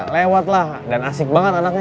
lewat lah dan asik banget anaknya